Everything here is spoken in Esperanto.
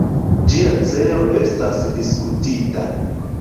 Ĝia celo estas diskutita.